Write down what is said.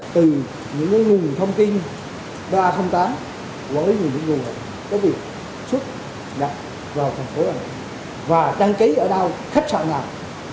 từ những nguồn thông tin ba trăm linh tám với những nguồn thông tin có việc xuất đặt vào thành phố đà nẵng và trang ký ở đao khách sạn nạp